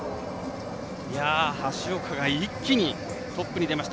橋岡が一気にトップに出ました。